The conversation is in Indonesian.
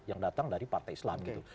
yang datang dari partai islam gitu